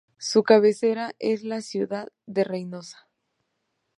Su cabecera es la ciudad de Reynosa.